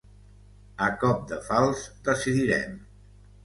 A cop de falç, decidirem.